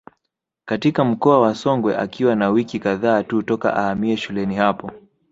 Katika mkoa wa Songwe akiwa na wiki kadhaa tu toka ahamie shuleni hapo